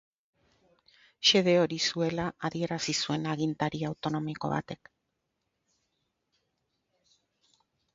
Xede hori zuela adierazi zuen agintari autonomiko batek.